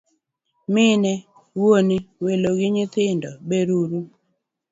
Mine, wuone, welo gi nyithindo ber uru?